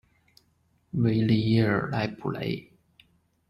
维利耶尔莱普雷。